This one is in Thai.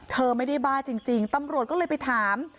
เธอไม่ได้บ้าจริงตำรวจก็เลยไปถาม